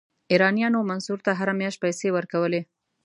ایرانیانو منصور ته هره میاشت پیسې ورکولې.